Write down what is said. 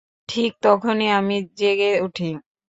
ঠিক তখনই আমি জেগে উঠি।